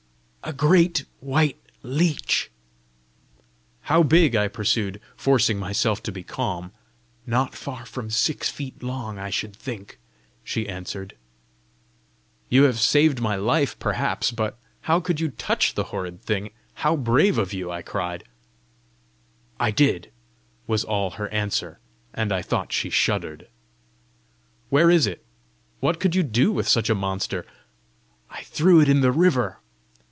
"A great white leech." "How big?" I pursued, forcing myself to be calm. "Not far from six feet long, I should think," she answered. "You have saved my life, perhaps! But how could you touch the horrid thing! How brave of you!" I cried. "I did!" was all her answer, and I thought she shuddered. "Where is it? What could you do with such a monster?" "I threw it in the river."